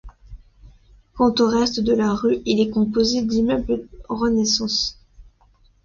Quant au reste de la rue il est composé d'immeubles renaissance.